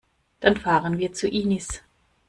Dann fahren wir zu Inis.